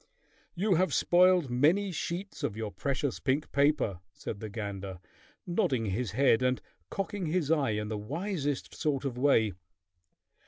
"You have spoiled many sheets of your precious pink paper," said the gander, nodding his head and cocking his eye in the wisest sort of way.